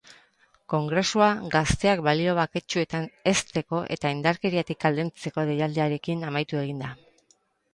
Kongresua gazteak balio baketsuetan hezteko eta indarkeriatik aldentzeko deialdiarekin amaitu egin da.